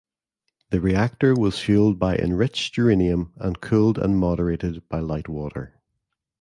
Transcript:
The reactor was fueled by enriched uranium and cooled and moderated by light water.